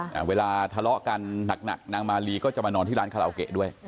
แต่เวลาทะเลาะกันหนักหนักนางมาลีก็จะมานอนที่ร้านคาราโอเกะด้วย